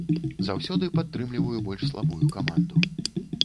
Заўсёды падтрымліваю больш слабую каманду.